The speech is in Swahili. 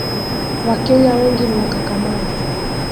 Wakenya wengi ni wakakamavu